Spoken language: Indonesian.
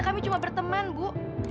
kami cuma berteman bu